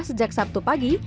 sejak sabtu pagi